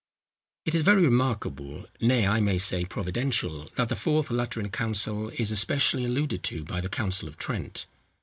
It is very remarkable, nay, I may say providential, that the Fourth Lateran council is especially alluded to by the council of Trent.